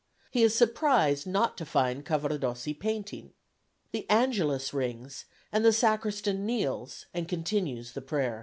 He is surprised not to find Cavaradossi painting. The Angelus rings, and the Sacristan kneels and continues the prayer.